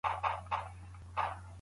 د جلات خان لاندې ناره چا وويله؟